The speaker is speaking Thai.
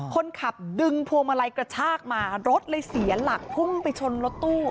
คนขับดึงพวงมาลัยกระชากมารถเลยเสียหลักพุ่งไปชนรถตู้